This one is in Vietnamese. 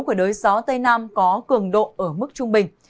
của đới gió tây nam có cường độ ở mức trung bình